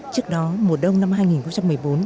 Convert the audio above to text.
trước đó mùa đông năm hai nghìn một mươi bốn